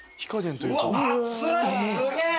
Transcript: すげえ！